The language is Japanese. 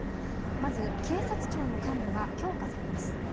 まず、警察庁の関与が強化されます。